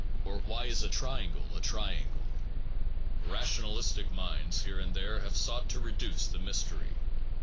or Why is a triangle a triangle? Rationalistic minds here and there have sought to reduce the mystery.